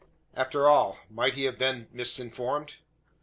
After all he might have been misinformed?